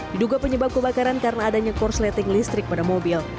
diduga penyebab kebakaran karena adanya korsleting listrik pada mobil